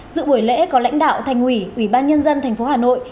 dự buổi lễ có lãnh đạo thành ủy ủy ban nhân dân tp hà nội